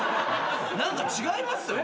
何か違いますよ。